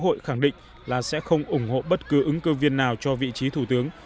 hội khẳng định là sẽ không ủng hộ bất cứ ứng cơ viên nào cho vị trí thủ tướng